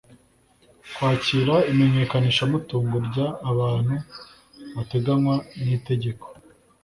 kwakira imenyekanishamutungo ry abantu bateganywa n itegeko